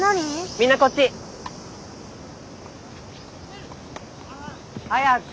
みんなこっち。早く！